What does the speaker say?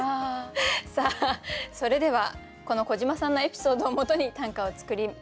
さあそれではこの小島さんのエピソードを基に短歌を作りました。